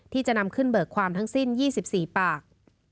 ที่จะนำขึ้นเบิกความทั้งสิ้น๒๔ปาก